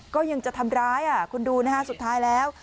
ก็ยังจะทำร้ายคุณดูนะฮะสุดท้ายแล้ว